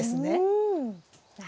うん。